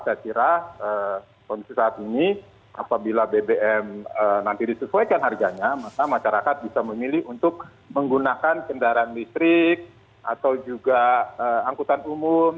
saya kira kondisi saat ini apabila bbm nanti disesuaikan harganya maka masyarakat bisa memilih untuk menggunakan kendaraan listrik atau juga angkutan umum